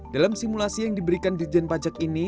dalam simulasi yang diberikan di dijen pajak ini